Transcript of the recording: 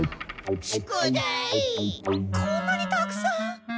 こんなにたくさん！？